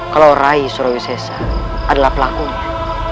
kalau rai surawisesa adalah pelakunya